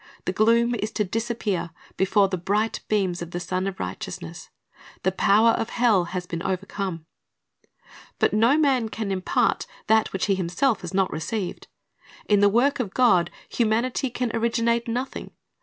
The gloom is to disappear before the bright beams of the Sun of Righteousness. The power of hell has been overcome. But no man can impart that which he himself has not received. In the work of God, humanity can originate nothing.